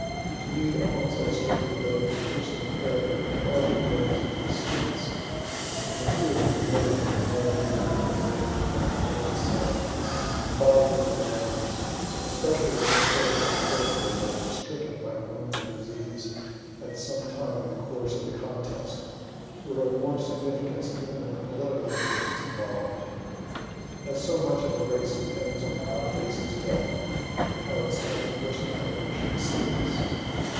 To me the points illustrating the latent personal character and eligibilities of these States, in the two or three millions of American young and middle aged men, North and South, embodied in those armies and especially the one third or one fourth of their number, stricken by wounds or disease at some time in the course of the contest were of more significance even than the political interests involved. (As so much of a race depends on how it faces death, and how it stands personal anguish and sickness.